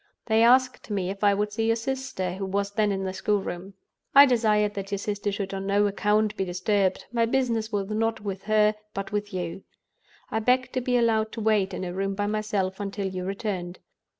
They asked me if I would see your sister, who was then in the school room. I desired that your sister should on no account be disturbed: my business was not with her, but with you. I begged to be allowed to wait in a room by myself until you returned.